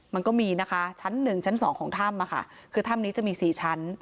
มันก็มีนะคะชั้นหนึ่งชั้นสองของถ้ำคือถ้ำนี้จะมี๔ชั้น